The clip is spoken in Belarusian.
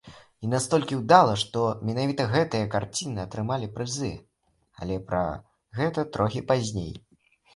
І настолькі ўдала, што менавіта гэтыя карціны атрымалі прызы, але пра гэта трохі пазней.